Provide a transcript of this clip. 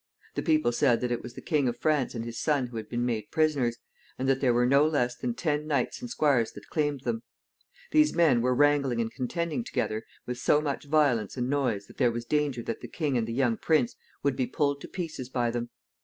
The people said that it was the King of France and his son who had been made prisoners, and that there were no less than ten knights and squires that claimed them. These men were wrangling and contending together with so much violence and noise that there was danger that the king and the young prince would be pulled to pieces by them.